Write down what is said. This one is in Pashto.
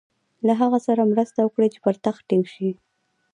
له هغه سره مرسته وکړي چې پر تخت ټینګ شي.